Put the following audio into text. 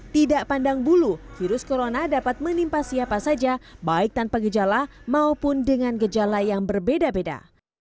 tidak pandang bulu virus corona dapat menimpa siapa saja baik tanpa gejala maupun dengan gejala yang berbeda beda